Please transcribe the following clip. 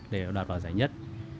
để đạt vào giải nhất